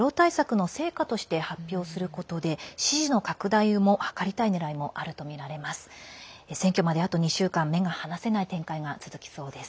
エルドアン大統領にとってはテロ対策の成果として発表することで支持の拡大も図りたいねらいもあるとみられます。